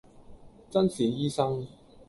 眞是醫生，